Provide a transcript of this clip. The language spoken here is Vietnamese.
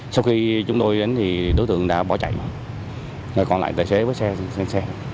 sau khi chúng tôi đến đối tượng đã bỏ chạy còn lại tài xế với xe xe xe